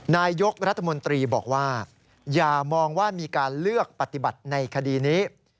นายกรัฐมนตรีบอกว่าอย่ามองว่ามีการเลือกปฏิบัติในคดีนี้